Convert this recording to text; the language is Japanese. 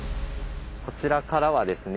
こちらからはですね